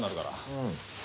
うん。